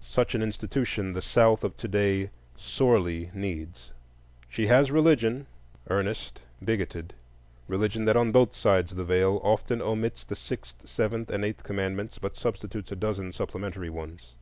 Such an institution the South of to day sorely needs. She has religion, earnest, bigoted:—religion that on both sides the Veil often omits the sixth, seventh, and eighth commandments, but substitutes a dozen supplementary ones.